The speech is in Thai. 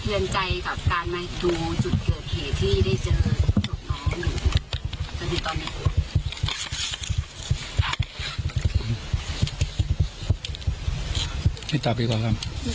ยังสะเทียนใจกับการมาดู